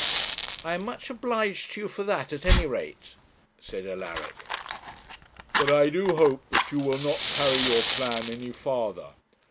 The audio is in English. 'I am much obliged to you for that, at any rate,' said Alaric. 'But I do hope that you will not carry your plan any farther.